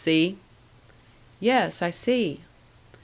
See?" "Yes, I see."